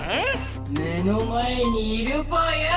⁉目の前にいるぽよ！